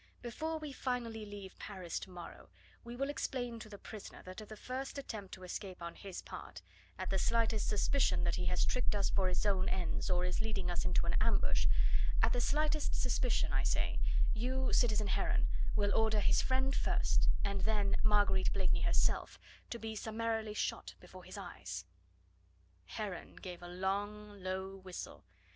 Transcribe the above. Before we finally leave Paris tomorrow we will explain to the prisoner that at the first attempt to escape on his part, at the slightest suspicion that he has tricked us for his own ends or is leading us into an ambush at the slightest suspicion, I say you, citizen Heron, will order his friend first, and then Marguerite Blakeney herself, to be summarily shot before his eyes." Heron gave a long, low whistle.